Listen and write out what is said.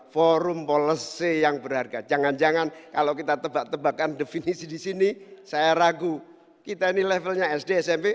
forum policy yang berharga jangan jangan kalau kita tebak tebakan definisi di sini saya ragu kita ini levelnya sd smp